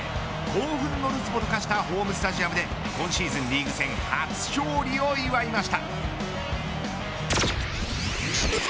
興奮のるつぼと化したホームスタジアムで今シーズンリーグ戦初勝利を祝いました。